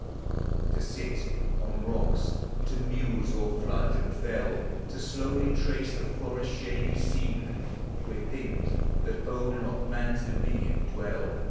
To sit on rocks, to muse o'er flood and fell. To slowly trace the forest's shady scene, Where things that own not man's dominion dwell, V — 5 66 POEMS OF NATURE.